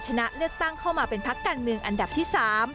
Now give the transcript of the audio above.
ชนะเลือกตั้งเข้ามาเป็นพักการเมืองอันดับที่๓